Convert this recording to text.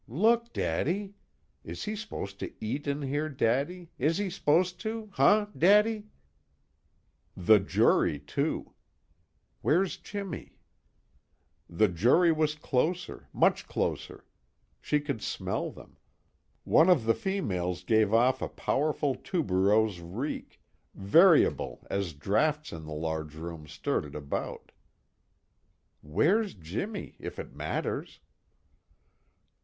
Look, Daddy! Is he s'posed to eat in here, Daddy, is he s'posed to, huh, Daddy? The jury too. (Where's Jimmy?) The jury was closer, much closer. She could smell them. One of the females gave off a powerful tuberose reek, variable as drafts in the large room stirred it about. (_Where's Jimmy, if it matters?